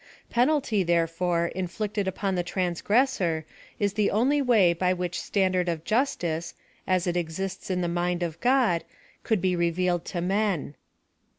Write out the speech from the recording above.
Penalty, therefore, inflicted up •)n the transgressor is the only way by which the standard of justice, as it exists in tlie mind of God, could be revealed to men.